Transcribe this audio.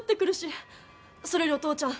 それよりお父ちゃん